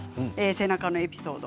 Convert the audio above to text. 背中のエピソード